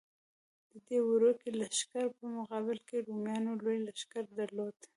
د دې وړوکي لښکر په مقابل کې رومیانو لوی لښکر درلود.